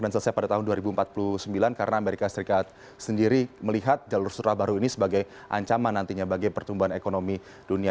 selesai pada tahun dua ribu empat puluh sembilan karena amerika serikat sendiri melihat jalur sutra baru ini sebagai ancaman nantinya bagi pertumbuhan ekonomi dunia